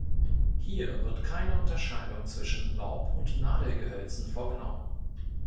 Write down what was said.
Hier wird keine Unterscheidung zwischen Laub- und Nadelgehölzen vorgenommen.